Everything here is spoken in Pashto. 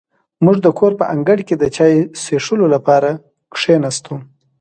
موږ د کور په انګړ کې د چای څښلو لپاره کېناستو.